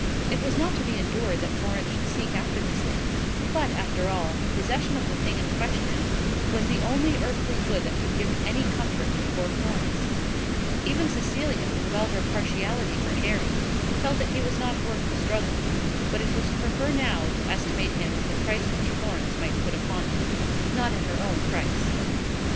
It was not to be endured that Florence should seek after this thing; but, after all, the possession of the thing in question was the only earthly good that could give any comfort to poor Florence. Even Cecilia, with all her partiality for Harry, felt that he was not worth the struggle; but it was for her now to estimate him at the price which Florence might put upon him, not at her own price.